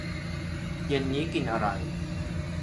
เย็นนี้กินอะไร